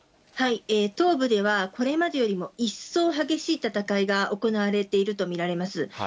東部では、これまでよりも一層激しい戦いが行われていると見られます。